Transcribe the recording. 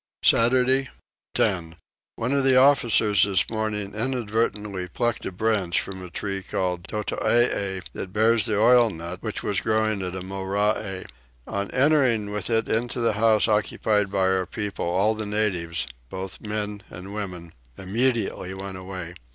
Saturday 10. One of the officers this morning on shore inadvertently plucked a branch from a tree called Tutuee, that bears the oil nut, which was growing at a Morai. On entering with it into the house occupied by our people all the natives, both men and women, immediately went away.